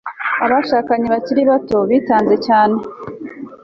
abashakanye bakiri bato bitanze cyane